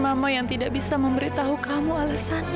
mama yang tidak bisa memberitahu kamu alasannya